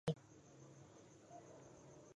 اوښ فکر کوي چې د ټولو کورنیو حیواناتو مشر دی.